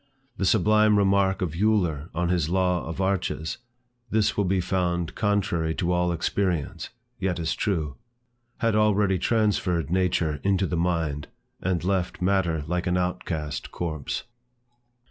The sublime remark of Euler on his law of arches, "This will be found contrary to all experience, yet is true;" had already transferred nature into the mind, and left matter like an outcast corpse.